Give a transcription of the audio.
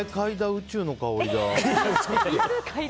宇宙の香りだ。